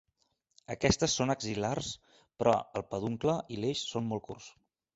Aquestes són axil·lars però el peduncle i l'eix són molt curts.